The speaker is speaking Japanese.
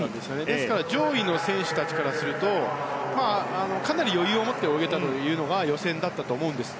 ですから上位の選手たちからするとかなり余裕を持って泳げたというのが予選だったと思うんです。